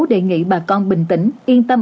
đề nghị bà con bình tĩnh yên tâm